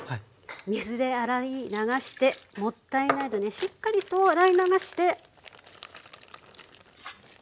水で洗い流してもったいないのでしっかりと洗い流して入れます。